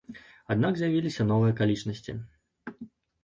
Аднак з'явіліся новыя акалічнасці.